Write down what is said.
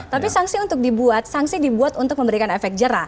tapi sanksi untuk dibuat sanksi dibuat untuk memberikan efek jerah